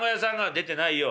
「出てないよ」。